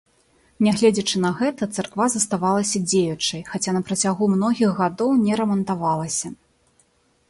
Нягледзячы на гэта, царква заставалася дзеючай, хаця на працягу многіх гадоў не рамантавалася.